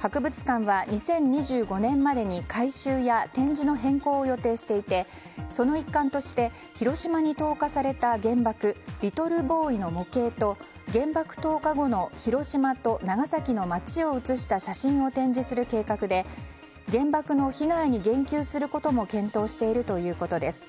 博物館は２０２５年までに改修や展示の変更を予定していて、その一環として広島に投下された原爆リトルボーイの模型と原爆投下後の広島と長崎の街を写した写真を展示する計画で原爆の被害に言及することも検討しているということです。